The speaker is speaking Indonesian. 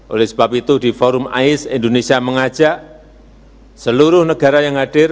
oleh sebab itu di forum ais indonesia mengajak seluruh negara yang hadir